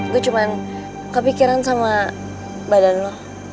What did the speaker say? gue cuman kepikiran sama badan lo